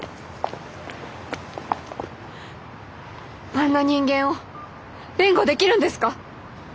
あんな人間を弁護できるんですか？